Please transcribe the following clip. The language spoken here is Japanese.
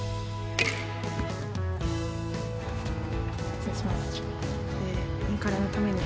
失礼します。